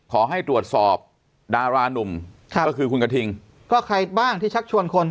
ขอให้ตรวจสอบดารานุ่มค่ะก็คือคุณกระทิงก็ใครบ้างที่ชักชวนคน